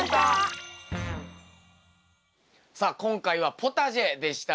さあ今回はポタジェでしたね。